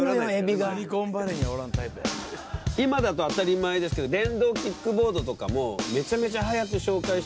今だと当たり前ですけど電動キックボードとかもめちゃめちゃ早く紹介してくれましたよね。